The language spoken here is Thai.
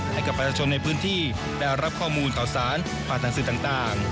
ให้กับประชาชนในพื้นที่ได้รับข้อมูลข่าวสารผ่านทางสื่อต่าง